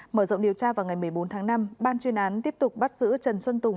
mở rộng điều tra vào ngày một mươi bốn tháng năm ban chuyên án tiếp tục bắt giữ trần xuân tùng